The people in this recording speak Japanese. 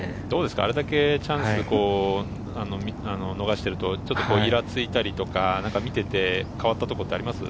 あれだけチャンスを逃しているとイラついたりとか、見ていて変わったところはありますか？